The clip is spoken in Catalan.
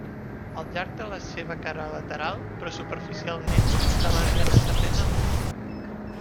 Al llarg de la seva cara lateral, però superficialment, està la vena safena menor.